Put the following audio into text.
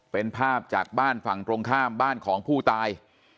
เป็นภาพจากบ้านฝั่งตรงข้ามบ้านของผู้ตาย